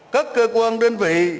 các cơ quan đơn vị